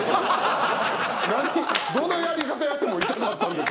どのやり方やっても痛かったんです。